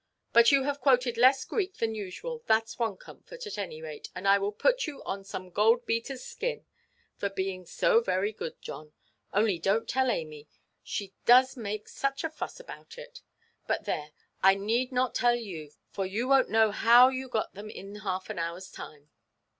But you have quoted less Greek than usual; thatʼs one comfort, at any rate, and I will put you on some gold–beaterʼs skin, for being so very good, John. Only donʼt tell Amy; she does make such a fuss about it. But there, I need not tell you, for you wonʼt know how you got them in half an hourʼs time.